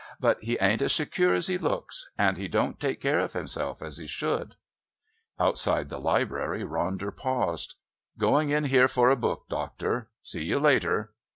But he ain't as secure as he looks. And he don't take care of himself as he should." Outside the Library Ronder paused. "Going in here for a book, doctor. See you later."